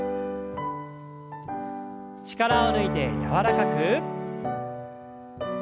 力を抜いて柔らかく。